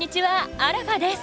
アラファです。